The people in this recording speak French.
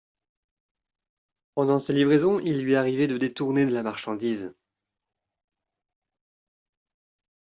Pendant ses livraisons, il lui arrivait de détourner de la marchandise